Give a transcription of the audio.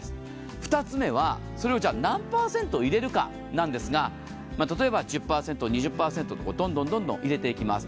２つ目はそれを何パーセント入れるかなんですが、例えば１０％、２０％とどんどんどんどん入れていきます。